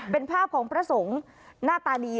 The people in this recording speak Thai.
เป็นภาพของพระสงฆ์หน้าตาดี